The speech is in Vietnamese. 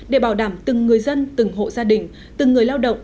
để bảo đảm từng người dân từng hộ gia đình từng người lao động